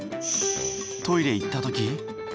トイレ行った時？